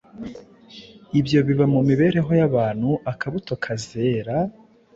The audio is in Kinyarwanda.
ibyo bibiba mu mibereho y’abantu akabuto kazera